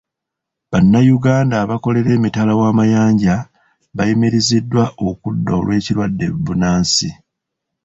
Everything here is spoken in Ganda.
Bannayuganda abakolera emitala wamayanja bayimiriziddwa okudda olw'ekirwadde bbunansi.